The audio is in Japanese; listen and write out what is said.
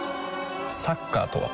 サッカーとは？